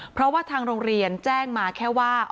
เพราะว่าทางโรงเรียนแจ้งมาแค่ว่า